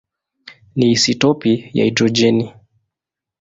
ni isotopi ya hidrojeni.